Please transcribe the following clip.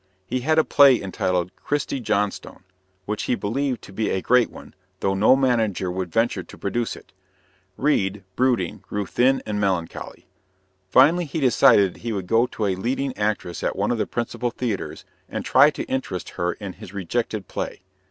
He had a play entitled "Christie Johnstone," which he believed to be a great one, though no manager would venture to produce it. Reade, brooding, grew thin and melancholy. Finally, he decided that he would go to a leading actress at one of the principal theaters and try to interest her in his rejected play.